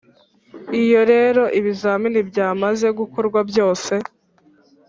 iyo rero ibizamini byamaze gukorwa byose,